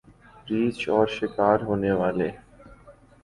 ریچھ اور شکار ہونے والے